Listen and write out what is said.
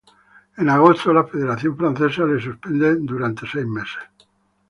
En agosto la federación francesa le suspende por seis meses.